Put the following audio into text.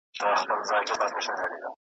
نه یې زده کړل له تاریخ څخه پندونه .